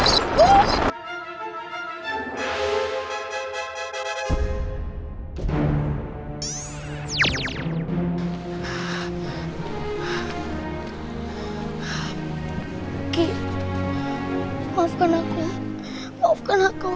tidak cukup dengan kekuatan